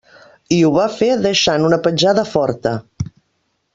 I ho va fer deixant una petjada forta.